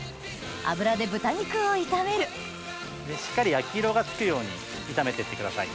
油で豚肉を炒めるしっかり焼き色がつくように炒めて行ってください。